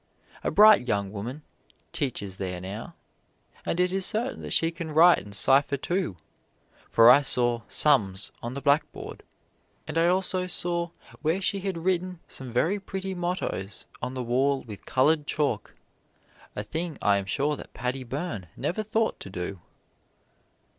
A bright young woman teaches there now, and it is certain that she can write and cipher too, for I saw "sums" on the blackboard, and I also saw where she had written some very pretty mottoes on the wall with colored chalk, a thing I am sure that Paddy Byrne never thought to do.